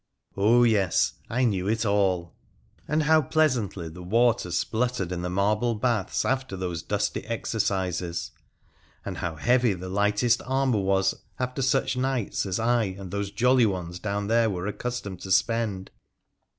Oh, yes ! I knew it all ! And how pleasantly the water spluttered in the marble batli3 after those dusty exercises ; and how heavy the lightest armour was after 44 WONDERFUL ADVENTURES OF such nights as I and those jolly ones down there were accus tomed to spend